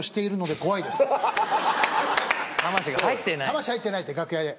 魂入ってないって楽屋で。